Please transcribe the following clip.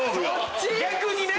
逆にね！